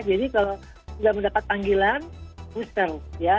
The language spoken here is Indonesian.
jadi kalau sudah mendapat panggilan booster ya